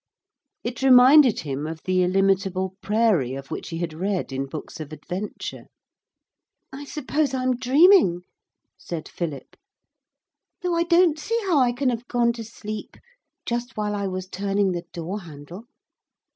It reminded him of the illimitable prairie of which he had read in books of adventure. 'I suppose I'm dreaming,' said Philip, 'though I don't see how I can have gone to sleep just while I was turning the door handle.